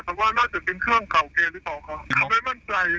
แต่ว่าน่าจะเป็นเครื่องค่ะโอเคหรือเปล่าค่ะค่ะไม่มั่นใจ